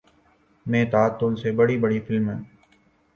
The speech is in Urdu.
میں تعطل سے بڑی بڑی فلمی